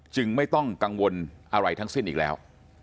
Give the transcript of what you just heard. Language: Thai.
ไม่ต้องกังวลอะไรทั้งสิ้นอีกแล้ว